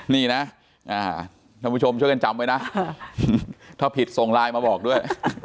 นี่นะท่านผู้ชมช่วยกันจำไว้นะถ้าผิดส่งไลน์มาบอกด้วย